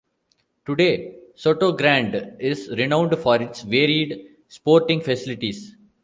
Today, Sotogrande is renowned for its varied sporting facilities.